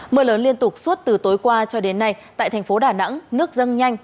mưa lớn liên tục suốt từ tối qua cho đến nay tại thành phố đà nẵng nước dâng nhanh